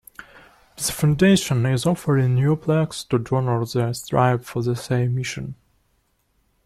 The foundation is offering new plaques to donors that strive for the same mission.